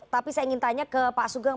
tapi saya ingin tanya ke pak sugeng